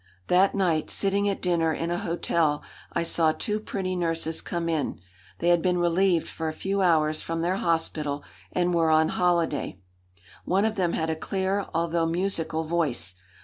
That night, sitting at dinner in a hotel, I saw two pretty nurses come in. They had been relieved for a few hours from their hospital and were on holiday. One of them had a clear, although musical voice.